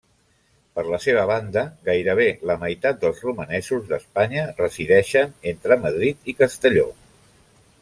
Per la seva banda, gairebé la meitat dels romanesos d'Espanya resideixen entre Madrid i Castelló.